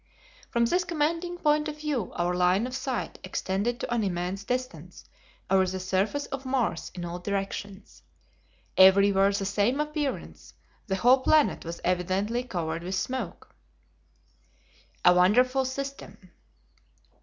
From this commanding point of view our line of sight extended to an immense distance over the surface of Mars in all directions. Everywhere the same appearance; the whole planet was evidently covered with the smoke. A Wonderful System.